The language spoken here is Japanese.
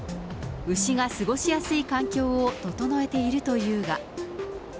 牛が過ごしやすい環境を整えているというが。